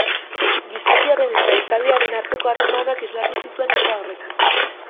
Gizakiaren eta izadiaren arteko harremanak islatu zituen obra horretan.